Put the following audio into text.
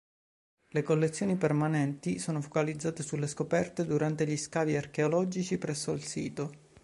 Le collezioni permanenti sono focalizzate sulle scoperte durante gli scavi archeologici presso il sito.